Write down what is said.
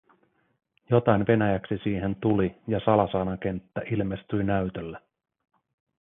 Jotain venäjäksi siihen tuli ja salasanakenttä ilmestyi näytölle.